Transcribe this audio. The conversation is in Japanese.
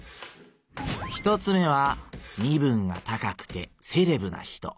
一つ目は身分が高くてセレブな人。